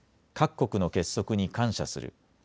各国の結束に感謝する。